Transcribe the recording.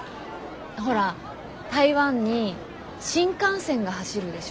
ほら台湾に新幹線が走るでしょ。